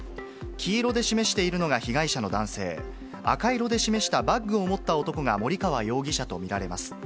黄色で示しているのが被害者の男性、赤色で示したバッグを持った男が森川容疑者と見られます。